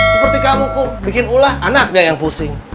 seperti kamu kum bikin ulah anaknya yang pusing